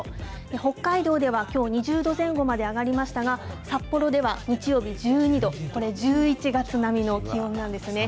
北海道ではきょう２０度前後まで上がりましたが、札幌では日曜日、１２度、これ、１１月並みの気温なんですね。